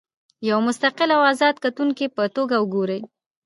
د یوه مستقل او ازاد کتونکي په توګه وګورئ.